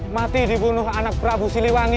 mati dibunuh anak prabu siliwangi